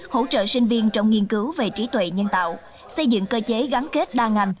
hỗ trợ sinh viên trong nghiên cứu về trí tuệ nhân tạo xây dựng cơ chế gắn kết đa ngành